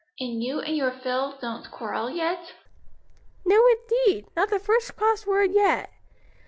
And you and your Phil don't quarrel yet?" "No indeed! not the first cross word yet.